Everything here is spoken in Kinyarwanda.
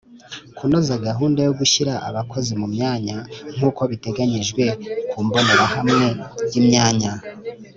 Kunoza gahunda yo gushyira abakozi mu myanya nk uko biteganyijwe ku mbonerahamwe y imyanya